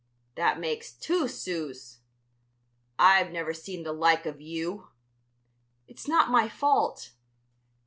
"That makes two sous! I've never seen the like of you!" "It's not my fault."